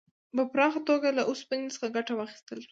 په پراخه توګه له اوسپنې څخه ګټه واخیستل شوه.